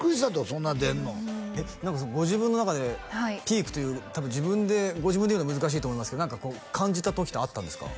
そんな出るの何かご自分の中でピークという多分ご自分で言うの難しいと思いますけど何かこう感じた時ってあったんですか？